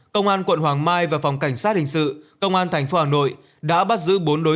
công an quận hoàng mai và phòng cảnh sát hình sự công an thành phố hà nội đã bắt giữ bốn đối